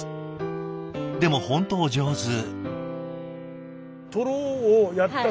でも本当お上手。